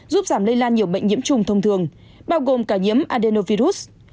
giúp giảm lây lan nhiều bệnh nhiễm trùng thông thường bao gồm cả nhiễm adenovirus